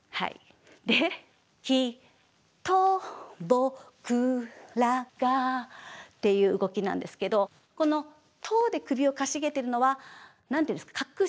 「きっと僕らが」っていう動きなんですけどこの「と」で首をかしげてるのは何て言うんですか確信がまだない。